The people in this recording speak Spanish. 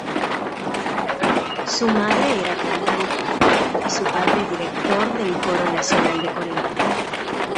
Su madre era cantante y su padre director del Coro Nacional de Corea.